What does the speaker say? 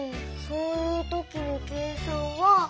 そういうときの計算は。